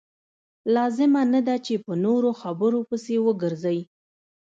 لازمه نه ده چې په نورو خبرو پسې وګرځئ.